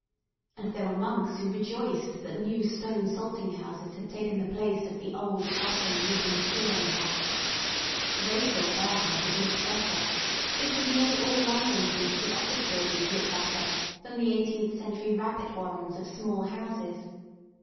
And there were monks who rejoiced that new stone salting houses had taken the place of the old, rotting wooden curing huts. They thought their houses looked better, just as nearly all London thinks the office buildings look better than the eighteenth century rabbit warrens of small houses.